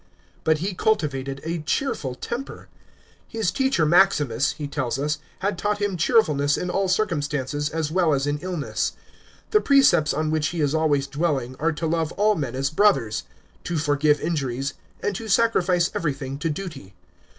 But be cultivated a cheerful temf>er. His teacher Maximus, he tells us, had taught him cheerfulness in all circumstances as well as in illness. The precepts on which he is always dwelling are to love all men as brothers, to forgive injuries, and to sacrifice even thing to duty.